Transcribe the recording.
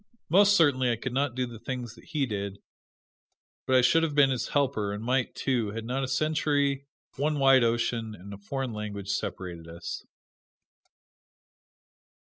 Most certainly I could not do the things that he did, but I should have been his helper, and might, too, had not a century, one wide ocean, and a foreign language separated us.